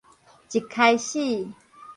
一開始